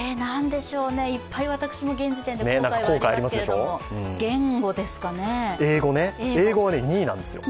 いっぱい私も現時点で後悔はありますけれども英語は２位なんですよ。